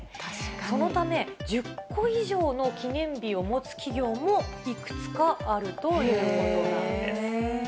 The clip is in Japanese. そのため、１０個以上の記念日を持つ企業も、いくつかあるということなんです。